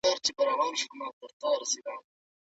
استاد د مشر په څېر ښه مشوره ورکوي.